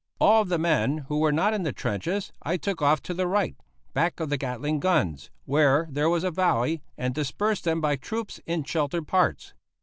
All of the men who were not in the trenches I took off to the right, back of the Gatling guns, where there was a valley, and dispersed them by troops in sheltered parts.